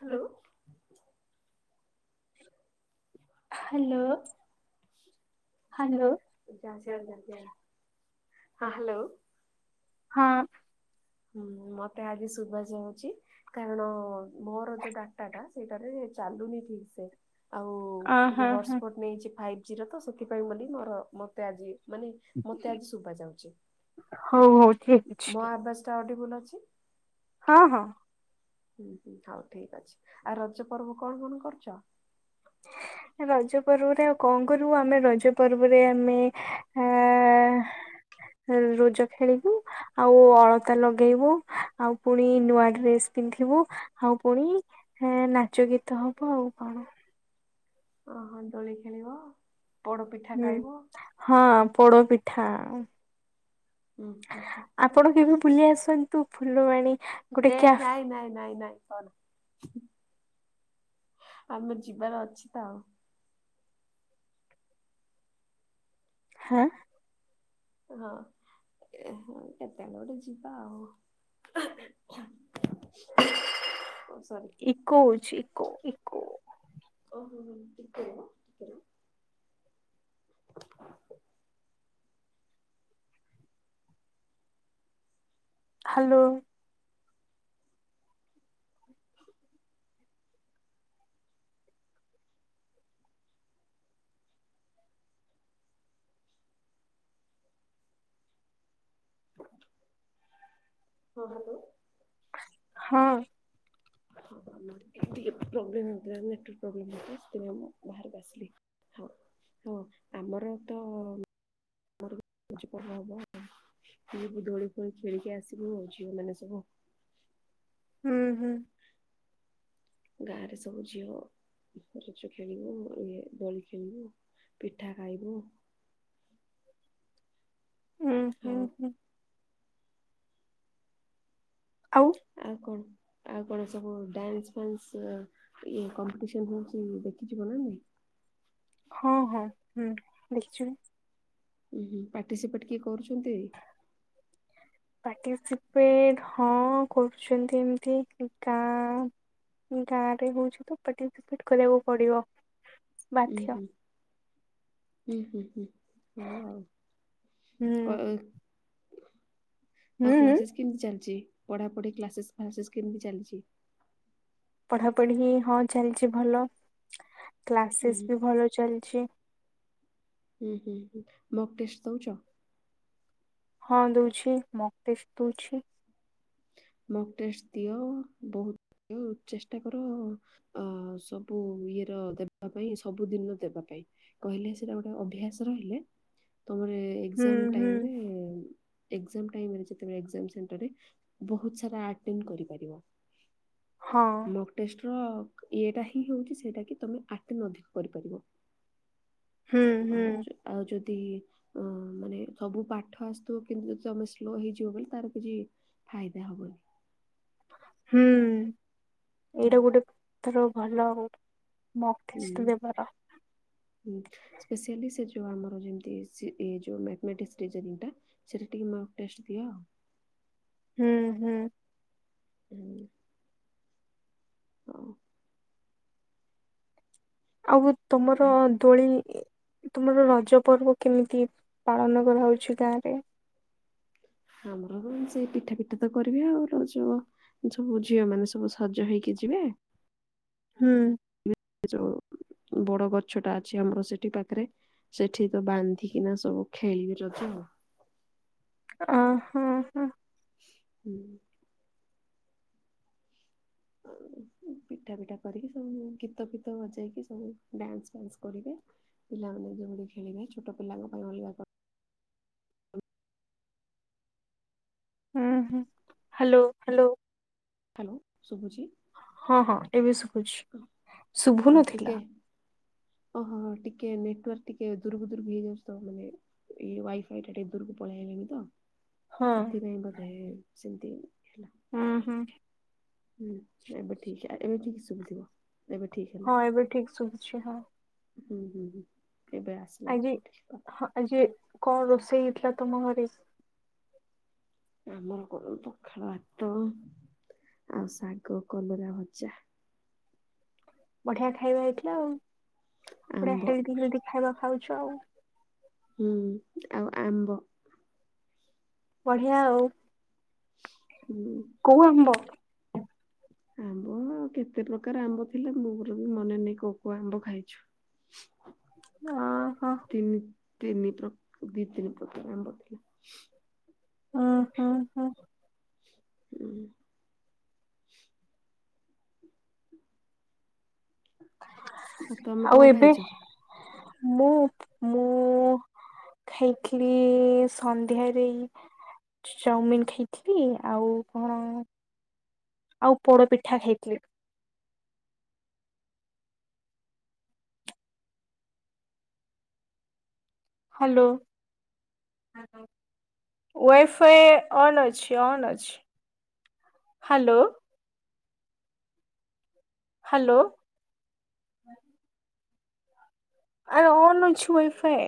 Hello hello. Hello. ଯା ସିଆଡେ ଯା ସିଆଡେ ଯା। ହଁ ହାଲୋ। ହଁ। ହୁଁ ମୋତେ ଆଜି ଶୁଭା ଯାଉଚି। କାରଣ ମୋର ଯୋଉ ଡାଟାଟା ସେଇଟାରେ ଚାଲୁନି ଠିକସେ। ଆଉ ଅ ଟିକେ ହଁ ହଁ ହଟସ୍ପଟ ନେଇଚି ଫାଇଭ୍ ଜି ର ତ ସେଥିପାଇଁ ବୋଲି ମୋର ମତେ ଆଜି ମାନେ ମତେ ଆଜି ଶୁବା ଯାଉଚି। ହଉ-ହଉ। ମୋ ଆବାଜ୍ ଟା ଅଡିବୁଲ୍ ଅଛି? ହଁ-ହଁ। ହୁଁ-ହୁଁ ହଉ ଠିକ୍ ଅଛି। ଆଉ ରଜ ପର୍ବ କଣ କଣ କରୁଚ? [inaudible] ରଜ ପର୍ବରେ ଆଉ କଣ କରିବୁ ଆମେ ରଜ ପର୍ବରେ ଆମେ ଆ ରଜ ଖେଳିବୁ ଆଉ ଅଳତା ଲଗେଇବୁ। ଆଉ ପୁଣି ନୂଆ ଡ୍ରେସ୍ ପିନ୍ଧିବୁ। ଆଉ ପୁଣି ନାଚ ଗୀତ ହବ ଆଉ କଣ। ଓହ ଦୋଳି ଖେଳିବ ପୋଡ଼ପିଠା ହୁଁ ଖାଇବ। ହଁ ପୋଡପିଠା। ହୁଁ ହୁଁ ହୁଁ। ଆପଣ କେବେ ବୁଲି ଆସନ୍ତୁ ଫୁଲବାଣୀ। ଗୋଟେ ଏ କ୍ୟାଫ ନାଇଁ-ନାଇଁ-ନାଇଁ-ନାଇଁ କହନା। ଆମେ ଯିବାର ଅଛି ତ ଆଉ। ହାଁ? ହଁ [unintelligible] କେବେ ଆମେ ଗୋଟେ ଯିବା ଆଉ। [inaudible] ଓ ସରି। ଇକୋ ହଉଚି ଇକୋ ଇକୋ। ଓହୋ ହୋ ହୋ ଟିକେ ରୁହ ଟିକେ ରୁହ। ହାଲୋ। ହଁ ହାଲୋ। ହଁ। ହଁ ହଁ [unintelligible] ପ୍ରୋବ୍ଲେମ୍ ହଉଥିଲା ନେଟୱର୍କ ପ୍ରୋବ୍ଲେମ୍ ହଉଥିଲା ସେଥିପାଇଁ ମୁଁ ବାହାରୁକୁ ଆସିଲି। ହଁ ହଁ ଆମର ତ [inaudible] ପର୍ବ ହବ ଆଉ। [unintelligible] ଦୋଳି ଫୋଳି ଖେଳିକି ଆସିବୁ ଆଉ ଝିଅମାନେ ସବୁ। ହୁଁ ହୁଁ। ଗାଁରେ ସବୁ ଝିଅ [unintelligible] ଖେଳିବୁ, ଇଏ ଦୋଳି ଖେଳିବୁ, ପିଠା ଖାଇବୁ। ହୁଁ ହଉ। ହୁଁ ହୁଁ ଆଉ? ଆଉ କଣ? ଆଉ କଣ ସବୁ ଡ୍ୟାନ୍ସ ଫ୍ୟାନ୍ସ ଇଏ କମ୍ପିଟିସନ୍ ଫମ୍ପିଟିସନ୍ ଦେଖିଯିବ ନା ନାହିଁ? ହଁ ହଁ ହୁଁ ଦେଖିଯିବୁ। ଉଁହୁଁ ପାର୍ଟିସିପେଟ୍ କିଏ କରୁଛନ୍ତି? ପାର୍ଟିସିପେଟ୍ ହଁ କରୁଛନ୍ତି ଏମିତି ଗାଁ ଗାଁରେ ହଉଛି ତ ପାର୍ଟିସିପେଟ୍ କରିବାକୁ ପଡିବ ଉଁ ବାଧ୍ୟ। ହୁଁ ହୁଁ ହୁଁ ହୁଁ ହଉ ଆଉ। ହୁଁ କ ଆଉ ହୁଁ ହୁଁ, କ୍ଲାସେସ୍ କେମିତି ଚାଲିଚି? ପଢାପଢି କ୍ଲାସେସ୍ ଫ୍ଲାସେସ କେମିତି ଚାଲିଚି? ପଢାପଢି ହଁ ଚାଲିଛି ଭଲ। ଉଁ କ୍ଲାସେସ୍ ହୁଁ ବି ଭଲ ଚାଲିଛି। ହୁଁ ହୁଁ ହୁଁ ମକ୍ ଟେଷ୍ଟ ଦଉଛ? ହଁ ଦଉଛି। ମକ୍ ଟେଷ୍ଟ ଦଉଛି। ମକ୍ ଟେଷ୍ଟ ଦିଅ। ବହୁତ ଦିଅ। ଚେଷ୍ଟା କର ଅଁ ସବୁ ଇଏର ଦେବା ପାଇଁ। ସବୁଦିନ ଦେବା ପାଇଁ। କହିଲେ ସେଇଟା ଗୋଟେ ଅଭ୍ୟାସ ରହିଲେ, ତମର ଏଁ ଏ ହୁଁ ଏକ୍ଜାମ ହୁଁ ଟାଇମରେ ଏକ୍ଜାମ ଟାଇମରେ ଯେତେବେଳେ ଏକ୍ଜାମ ସେଣ୍ଟରରେ ବହୁତ ସାରା ଆଟେମ୍ଟ୍ କରିପାରିବ। ହଁ ମକ୍ ଟେଷ୍ଟର ଇଏଟା ହିଁ ହେଉଛି ସେଇଟା କି ତମେ ଆଟେମ୍ ଅଧିକ କରିପାରିବ। ହୁଁ ହୁଁ ଆଉ ଯ ଆଉ ଯଦି ଅଁ ମାନେ ସବୁ ପାଠ ଆସୁଥିବ କିନ୍ତୁ ଯଦି ତମେ ସ୍ଲୋ ହେଇଯିବ ବୋଲି ତାର କିଛି ଫାଇଦା ହବନି। ହୁଁ ଏଇଟା ଗୋଟେ ଧର ଭଲ ଆଉ। ମକ୍ ଟେଷ୍ଟ ଦେବାର। ହୁଁ। ସ୍ପେସିଆଲି ସେ ଯୋଉ ଆମର ଯେମିତି ସେ ଏ ଯୋଉ ମ୍ୟାଥମେଟିକ୍ସ ରିଜୋନିଙ୍ଗଟା ସେଇଟା ଟିକେ ମକ୍ ଟେଷ୍ଟ ଦିଅ। ହୁଁ ହୁଁ। ହୁଁ। ହଉ ଆଉ ତମର ଆଉ ଦୋଳି ତୁମର ରଜ ପର୍ବ କେମିତି ପାଳନ କରାହେଉଛି ଗାଁରେ। ଆମର କ ସେ ପିଠାପିଠା ତ କରିବେ ଆଉ [unintelligible] ସବୁ ଝିଅମାନେ ସବୁ ସଜ ହେଇକି ଯିବେ। ହୁଁ। ଯୋଉ ବଡ ଗଛଟା ଅଛି ଆମର ସେଠି ପାକ୍ରେ। ସେଠି ତ ବାନ୍ଧିକିନା ସବୁ ଖେଳିବେ ରଜ। ଅ ହଁ ହଁ ହୁଁ‌। [unintelligible] ପିଠାପିଠା କରିକି ସବୁ [unintelligible] ଗୀତଫିତ ବଜାଇକି ସବୁ ଡ୍ୟାନ୍ସ ଫ୍ୟାନ୍ସ କରିବେ। ପିଲାମାନେ ଯେଉଟି ଖେଳିବେ ଛୋଟ ପିଲାଙ୍କ ପାଇଁ ଅଲଗା [unintelligible] ହୁଁ ହୁଁ ହ୍ୟାଲୋ ହ୍ୟାଲୋ। ହ୍ୟାଲୋ ଶୁଭୁଚି? ହଁ ହଁ ଏବେ ଶୁଭୁଚି। ହଁ ଶୁଭୁନଥିଲା। ଟିକେ ଓହୋ ହ ଟିକେ ନେଟୱାର୍କ ଟିକେ ଦୂରକୁ ଦୂରକୁ ହେଇଯାଉଚି ତ ମାନେ ଏଇ ୱାଇଫାଇଟା ଟିକେ ଦୂରକୁ ପଳେଇ ଆଇଲିଣି ତ ହଁ ସେଥିପାଇଁ ବୋଧେ ହେ ସେମ୍ତି ହୁଁ ହୁଁ! ହୁଁ ଏବେ ଠିକ୍ସେ [unintelligible] ଏବେ ଠିକ୍ ସୁଭୁଥିବ। ହଁ ଏବେ ଠିକ୍ ଶୁଭୁଛି ହଁ। ହୁଁ ହୁଁ ହୁଁ ଏବେ ଆସ୍। ଆଜି ହଁ ଆଜି କଁ ରୋଷେଇ ହେଇଥିଲା ତମ ଘରେ? ଆମର ଗରମ ପଖାଳ ଆତ ଆଉ ଶାଗ କଲରା ଭଜା। ବଢିଆ ଖାଇବା ହେଇଥିଲା ଆଉ ପୁରା ଆମ୍ବ ହେଲ୍ଦି ହେଲ୍ଦି ଖାଇବା ଖାଉଚ ଆଉ। ହୁଁ ଆଉ ଆମ୍ବ। ବଢ଼ିଆ ଆଉ। ହୁଁ। କଉ ଆମ୍ବ? ଆମ୍ବ କେତେ ପ୍ରକାର ଆମ୍ବ ଥିଲା ମୋର ବି ମନେନାଇ କୋଉ କୋଉ ଆମ୍ବ ଖାଇଛୁ। ଓ ହୋ। ତିନି ତିନି ପ୍ର ଦି ତିନି ପ୍ରକାର ଆମ୍ବ [unintelligible] ଓହୋ ହ। ହୁଁ। ତମେ କଣ ଆଉ ଏବେ? ଖାଇଛ? ମୁଁ ମୁଁ। ଖାଇଥିଲି ସନ୍ଧ୍ୟା ଦେଇ। ଚଉମିିନ୍ ଖାଇଥିଲି। ଆଉ କଣ? ଆଉ ପୋଡ଼ପିଠା ଖାଇଥିଲି। ହାଲୋ। ୱାଇଫାଇ ଅନ୍ ଅଛି ଅନ୍ ଅଛି। ହାଲୋ। ହାଲୋ। ଆରେ ଅନ୍ ଅଛି ୱାଇଫାଏ।